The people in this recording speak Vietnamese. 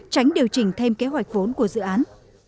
tránh điều chỉnh thêm kế hoạch vốn của dự án